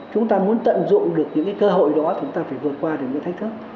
chúng ta muốn tận dụng được những cơ hội đó chúng ta phải vượt qua được những thách thức